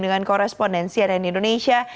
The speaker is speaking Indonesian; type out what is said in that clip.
dengan korespondensi rni indonesia